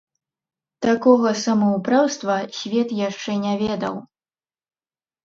Такога самаўпраўства свет яшчэ не ведаў.